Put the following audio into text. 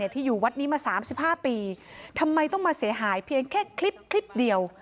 ที่อยู่วัดนี้มา๓๕ปีทำไมต้องมาเสียหายเพียงแค่คลิปเดียว